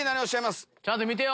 ちゃんと見てよ